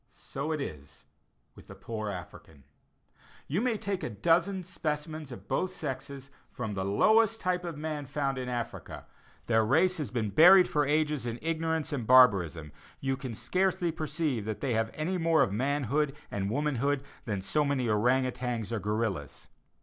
So it is with the poor African. You may take a dozen specimens of both sexes from the lowest type of man found in Africa; their race has been buried for ages in ignorance and barbarism, and you can scarcely perceive that they have any more of manhood or womanhood than so many orang outangs or gorillas.